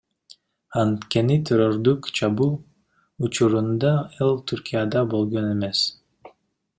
Анткени террордук чабуул учурунда ал Түркияда болгон эмес.